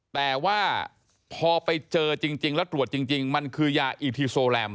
แต่ว่าพอไปเจอจริงแล้วตรวจจริงมันคือยาอีทีโซแรม